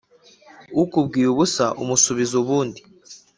Ukubwiye ubusa umusubiza ubundi.